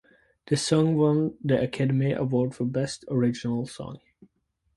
The song won the Academy Award for Best Original Song.